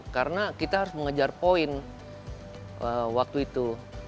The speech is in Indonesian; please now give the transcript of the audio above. karena kita harus mengejar poin waktu itu